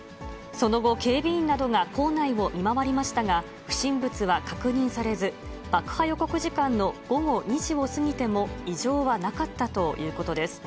その後、警備員などが構内を見回りましたが、不審物は確認されず、爆破予告時間の午後２時を過ぎても、異常はなかったということです。